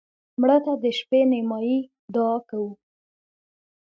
مړه ته د شپه نیمایي دعا کوو